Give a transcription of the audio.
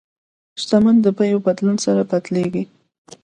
شتمني د بیو بدلون سره بدلیږي.